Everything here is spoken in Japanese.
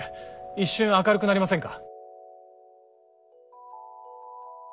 一瞬明るくなりませんか？